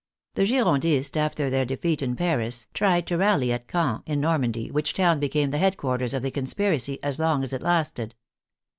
The Girondists, after their defeat in Paris, tried to rally at Caen, in Normandy, which town became the head quarters of the conspiracy as long as it lasted.